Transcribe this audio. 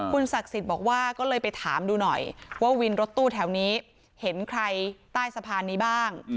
คุณศักดิ์สิทธิ์บอกว่าก็เลยไปถามดูหน่อยว่าวินรถตู้แถวนี้เห็นใครใต้สะพานนี้บ้าง